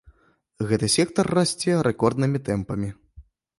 Гэты сектар расце рэкорднымі тэмпамі.